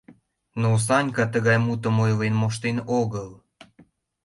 Но Санька тыгай мутым ойлен моштен огыл.